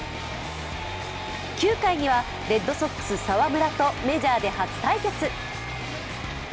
９回にはレッドソックス・澤村とメジャーで初対決。